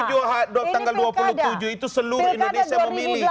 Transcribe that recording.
tanggal dua puluh tujuh itu seluruh indonesia memilih